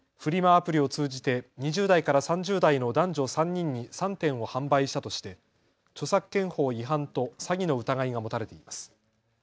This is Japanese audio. アプリを通じて２０代から３０代の男女３人に３点を販売したとして著作権法違反と詐欺の疑いが持たれています。